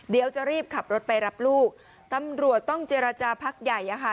เดี๋ยวจะรีบขับรถไปรับลูกตำรวจต้องเจรจาพักใหญ่อะค่ะ